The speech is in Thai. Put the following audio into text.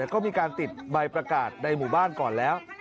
ก็มีการติดใบประกาศในหมู่บ้านก่อนแล้ว